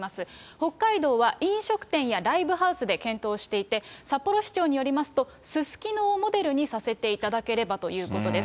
北海道は飲食店やライブハウスで検討をしていて、札幌市長によりますと、すすきのをモデルにさせていただければということです。